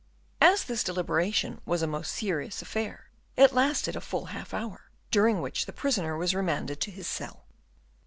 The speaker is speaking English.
As this deliberation was a most serious affair, it lasted a full half hour, during which the prisoner was remanded to his cell.